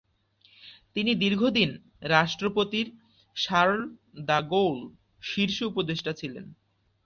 তিনি দীর্ঘদিন রাষ্ট্রপতির শার্ল দ্য গোল শীর্ষ উপদেষ্টা ছিলেন।